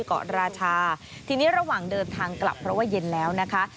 กลับเพราะว่าเย็นแล้วนะคะ